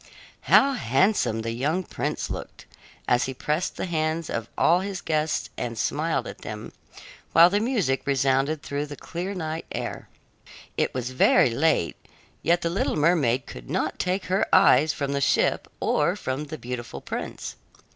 How handsome the young prince looked, as he pressed the hands of all his guests and smiled at them, while the music resounded through the clear night air! It was very late, yet the little mermaid could not take her eyes from the ship or from the beautiful prince.